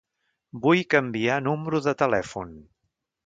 Vull canviar número de telèfon.